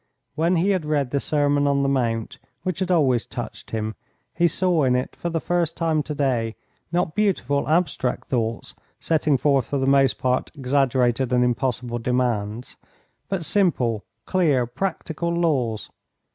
When he had read the Sermon on the Mount, which had always touched him, he saw in it for the first time to day not beautiful abstract thoughts, setting forth for the most part exaggerated and impossible demands, but simple, clear, practical laws.